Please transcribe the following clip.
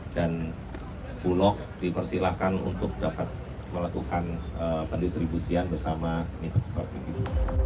dan bulog dipersilahkan untuk dapat melakukan pendistribusian bersama mitra strategis